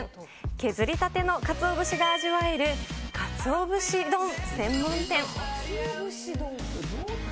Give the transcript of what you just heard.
削りたてのかつお節が味わえるかつお節丼専門店。